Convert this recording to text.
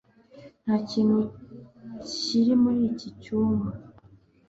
Nta kintu kiri muri iki cyumba